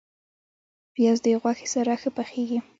پیاز د غوښې سره ښه پخیږي